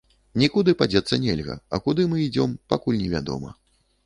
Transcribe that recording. Нікуды падзецца нельга, а куды мы ідзём, пакуль невядома.